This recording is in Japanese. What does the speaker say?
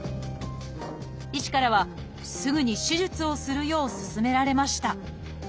医師からはすぐに手術をするよう勧められました。